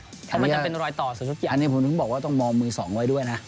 ก็มันจะเป็นรอยต่อสุดยอดนะครับทุกคนอันนี้ผมถึงบอกว่าต้องมองมือ๒ไว้ด้วยนะ